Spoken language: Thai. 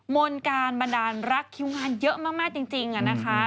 มนต์การบันดาลรักคิวงานเยอะมากจริงนะคะ